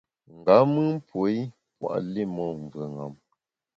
Nga mùn puo i pua’ li mon mvùeṅam.